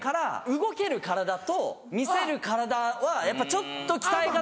動ける体と見せる体はやっぱちょっと鍛え方が違う。